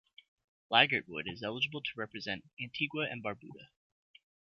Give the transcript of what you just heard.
Leigertwood is eligible to represent Antigua and Barbuda.